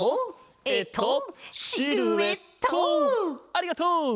ありがとう！